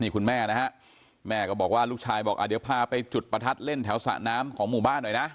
คุณแม่นะฮะแม่ก็บอกว่าลูกชายบอกเดี๋ยวพาไปจุดประทัดเล่นแถวสระน้ำของหมู่บ้านหน่อยนะ